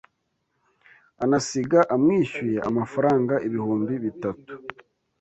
anasiga amwishyuye amafaranga ibihumbi bitatu